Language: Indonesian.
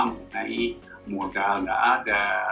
mengenai modal nggak ada